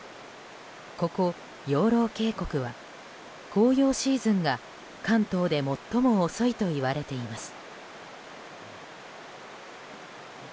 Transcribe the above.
ここ、養老渓谷は紅葉シーズンが関東で最も遅いといわれています。